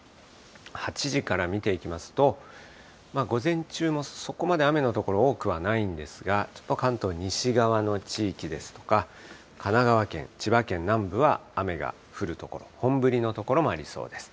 ８時から見ていきますと、午前中もそこまで雨の所、多くはないんですが、ちょっと関東西側の地域ですとか、神奈川県、千葉県南部は雨が降る所、本降りの所もありそうです。